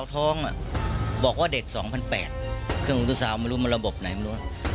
ท้องบอกว่าเด็ก๒๘๐๐เครื่องอุตสาวไม่รู้มันระบบไหนไม่รู้